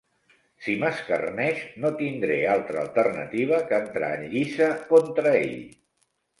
Si m'escarneix no tindré altra alternativa que entrar en lliça contra ell.